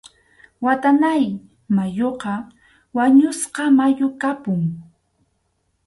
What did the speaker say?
Watanáy mayuqa wañusqa mayu kapun.